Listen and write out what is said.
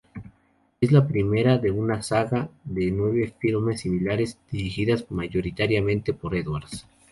Es la primera de una saga de nueve filmes similares, dirigidas mayoritariamente por Edwards.